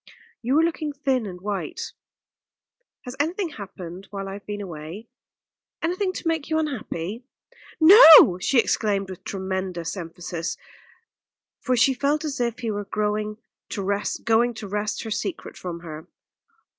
"You are looking thin and white. Has anything happened while I have been away, anything to make you unhappy?" "No!" she exclaimed with tremendous emphasis, for she felt as if he were going to wrest her secret from her.